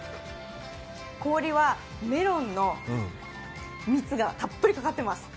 氷はメロンの蜜がたっぷりかかっています。